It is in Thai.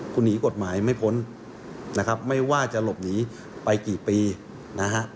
คุณหนีกฎหมายไม่พ้นนะครับไม่ว่าจะหลบหนีไปกี่ปีนะฮะ